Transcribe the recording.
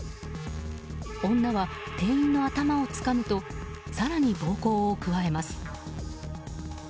女は店員の頭をつかむと更に暴行を加えます。